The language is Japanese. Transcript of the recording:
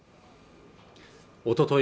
おととい